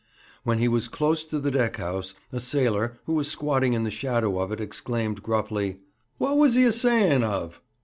When he was close to the deck house, a sailor, who was squatting in the shadow of it, exclaimed gruffly: 'What was he a saying of?'